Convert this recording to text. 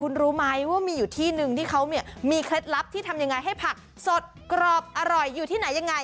คุณรู้ไหมว่ามีอยู่ที่นึงที่เขาเนี่ยมีเคล็ดลับที่ทำยังไงให้ผักสดกรอบอร่อยอยู่ที่ไหนยังไง